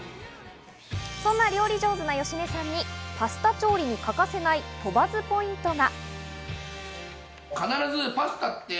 そんな料理上手な芳根さんにパスタ調理に欠かせない鳥羽ポイントが。